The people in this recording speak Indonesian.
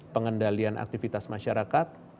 pengendalian aktivitas masyarakat